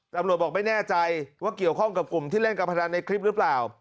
บอกไม่แน่ใจว่าเกี่ยวข้องกับกลุ่มที่เล่นการพนันในคลิปหรือเปล่า